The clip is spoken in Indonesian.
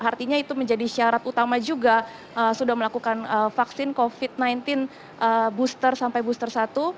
artinya itu menjadi syarat utama juga sudah melakukan vaksin covid sembilan belas booster sampai booster satu